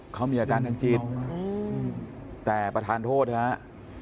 เขามีอาการทั้งจีนแต่ประทานโทษครับ